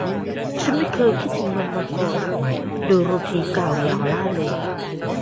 ฉันไม่เคยคิดถึงมันมาก่อน โดโรธีกล่าวอย่างเริงร่า